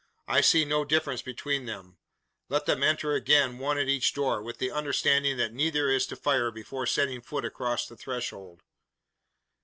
I see no difference between them. Let them enter again one at each door, with the understanding that neither is to fire before setting foot across the threshold."